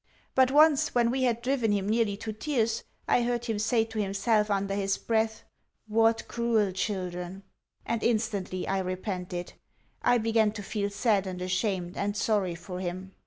But once, when we had driven him nearly to tears, I heard him say to himself under his breath, "What cruel children!" and instantly I repented I began to feel sad and ashamed and sorry for him.